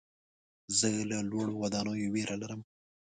زه له لوړو ودانیو ویره لرم.